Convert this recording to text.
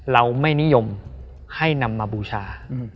เราไม่นิยมให้นำมาบูชา